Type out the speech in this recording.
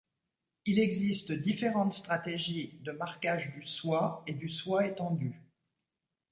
Il existe différentes stratégies de marquage du soi et du soi étendu.